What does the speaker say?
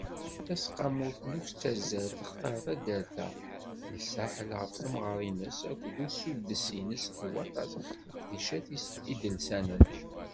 Taseqqamut n uktazal textar taddart-a n Saḥel ɣef temɣer-ines akked usuddes-ines n waṭas n leqdicat idelsanen.